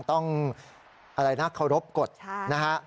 ต้องเคารพกฎนะฮะ